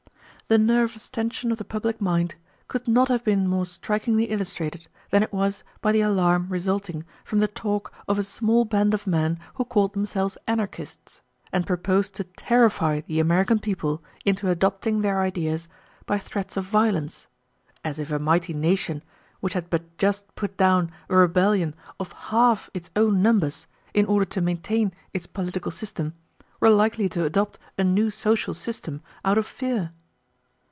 The nervous tension of the public mind could not have been more strikingly illustrated than it was by the alarm resulting from the talk of a small band of men who called themselves anarchists, and proposed to terrify the American people into adopting their ideas by threats of violence, as if a mighty nation which had but just put down a rebellion of half its own numbers, in order to maintain its political system, were likely to adopt a new social system out of fear.